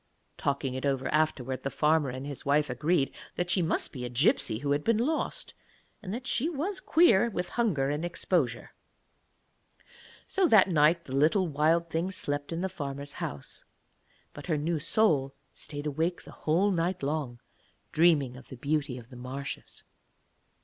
Talking it over afterwards, the farmer and his wife agreed that she must be a gipsy who had been lost, and that she was queer with hunger and exposure. So that night the little Wild Thing slept in the farmer's house, but her new soul stayed awake the whole night long dreaming of the beauty of the marshes.